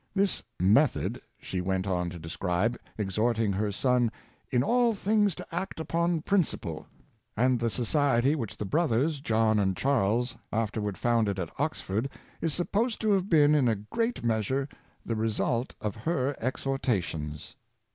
This " method" she went on to describe, exhorting her son " in all things to act upon principle;" and the society which the brothers, John and Charles, afterward founded at Oxford is supposed to have been in a great measure the result of her exhortations.